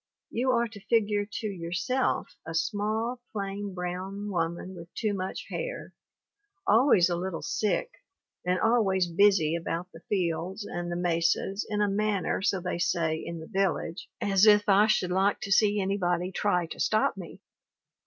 You are to figure to yourself a small, plain, brown woman with too much hair, always a little sick, and always busy about the fields and the mesas in a manner, so they say in the village, as if I should like to see anybody try to stop me.